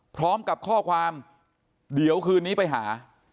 พร้อมกับข้อความเดี๋ยวคืนนี้ไปหา